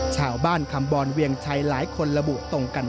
ชาวบ้านคำบรเวียงชัยหลายคนระบุตรงกัน